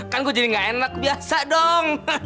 kan gue jadi gak enak biasa dong